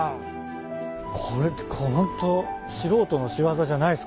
これホント素人の仕業じゃないっす